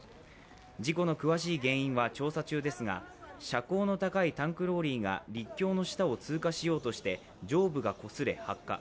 事故の詳しい原因は調査中ですが、車高の高いタンクローリーが陸橋の下を通過しようとして上部がこすれ、発火。